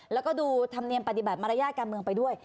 แล้วก็ดูธรรมเนียมปฏิบัติมารยาทการเมืองไปด้วย